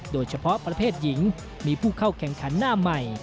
โดยเฉพาะประเภทหญิงมีผู้เข้าแข่งขันหน้าใหม่